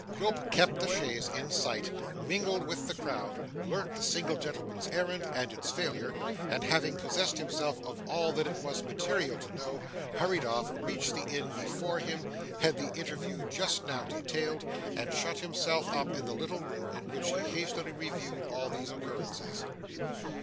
Quilp kept the chaise in sight, mingled with the crowd, learnt the single gentleman's errand, and its failure, and having possessed himself of all that it was material to know, hurried off, reached the inn before him, had the interview just now detailed, and shut himself up in the little room in which he hastily reviewed all these occurrences.